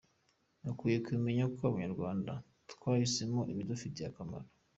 Ukwiye kumenya ko Abanyarwanda twahisemo ibidufitiye akamaro.